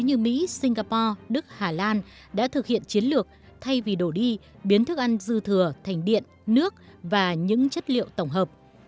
như mỹ singapore đức hà lan đã thực hiện chiến lược thay vì đổ đi biến thức ăn dư thừa thành điện nước và những chất liệu tổng hợp